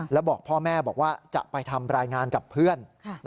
แล้วบอกพ่อแม่บอกว่าจะไปทำรายงานกับเพื่อน